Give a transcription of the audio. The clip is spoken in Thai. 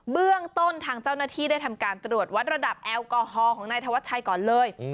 เบื้องต้นทางเจ้าหน้าที่ได้ทำการตรวจวัดระดับแอลกอฮอลของนายธวัชชัยก่อนเลย